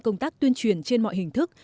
công tác tuyên truyền trên mọi hình thức